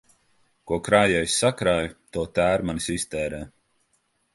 Ko krājējs sakrāj, to tērmanis iztērē.